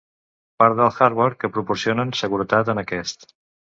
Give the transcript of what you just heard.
Part del hardware que proporcionen seguretat en aquest.